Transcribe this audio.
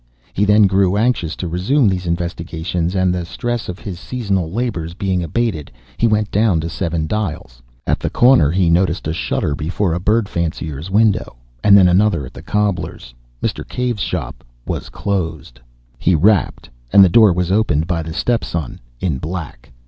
He then grew anxious to resume these investigations, and, the stress of his seasonal labours being abated, he went down to Seven Dials. At the corner he noticed a shutter before a bird fancier's window, and then another at a cobbler's. Mr. Cave's shop was closed. He rapped and the door was opened by the step son in black.